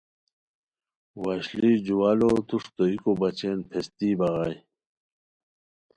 وشلی جوالو توݰتوئیکو بچین پھیستی بغائے